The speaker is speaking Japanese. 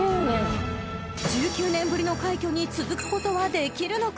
［１９年ぶりの快挙に続くことはできるのか］